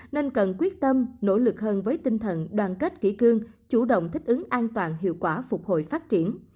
nên cần quyết tâm nỗ lực hơn với tinh thần đoàn kết kỷ cương chủ động thích ứng an toàn hiệu quả phục hồi phát triển